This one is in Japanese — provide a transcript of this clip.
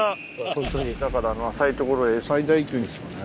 ホントにだから浅い所で最大級ですよね。